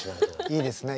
いいですね。